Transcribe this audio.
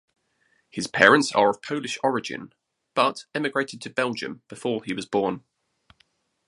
His parents are of Polish origin but immigrated to Belgium before he was born.